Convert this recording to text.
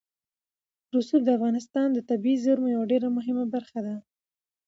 رسوب د افغانستان د طبیعي زیرمو یوه ډېره مهمه برخه ده.